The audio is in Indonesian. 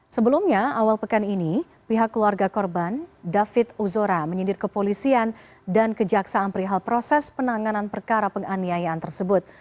sebelumnya awal pekan ini pihak keluarga korban david uzora menyindir ke polisian dan ke jaksa amperihal proses penanganan perkara penganiayaan tersebut